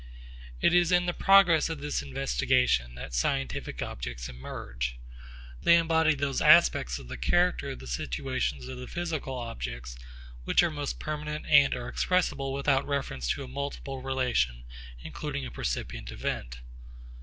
It is in the progress of this investigation that scientific objects emerge. They embody those aspects of the character of the situations of the physical objects which are most permanent and are expressible without reference to a multiple relation including a percipient event.